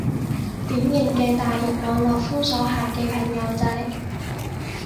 典型嘅大陸網絡封鎖下嘅朋友仔